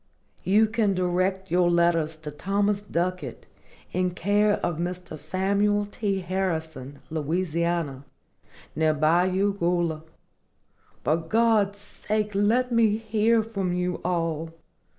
You can direct your letters to Thomas Ducket, in care of Mr. Samuel T. Harrison, Louisiana, near Bayou Goula. For God's sake let me hear from you all.